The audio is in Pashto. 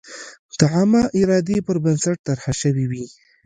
د عامه ارادې پر بنسټ طرحه شوې وي.